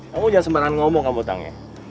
kamu jangan sembarangan ngomong kamu utangnya